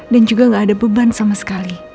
dan juga gak ada beban sama sekali